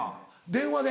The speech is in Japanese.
電話で？